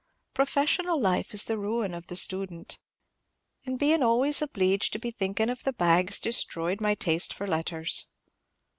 Professional life is the ruin of the student; and being always obleeged to be thinkin' of the bags destroyed my taste for letters."